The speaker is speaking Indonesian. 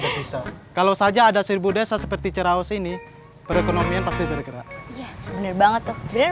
yang bisa kalau saja ada seribu desa seperti ceraus ini perekonomian pasti bergerak bener banget